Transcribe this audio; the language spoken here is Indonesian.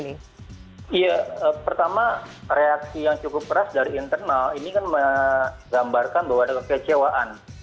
iya pertama reaksi yang cukup keras dari internal ini kan menggambarkan bahwa ada kekecewaan